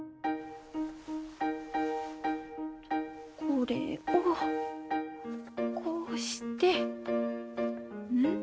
これをこうしてうん？